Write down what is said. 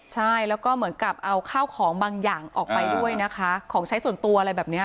ใช่แล้วก็เหมือนกับเอาข้าวของบางอย่างออกไปด้วยนะคะของใช้ส่วนตัวอะไรแบบนี้